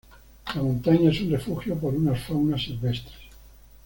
La montaña es un refugio por unas faunas silvestres.